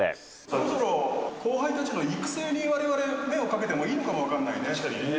そろそろ後輩たちの育成にわれわれ、目を向けてもいいのかも分かんないね。